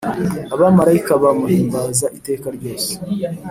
Abamalayika bamuhimbaza iteka ryose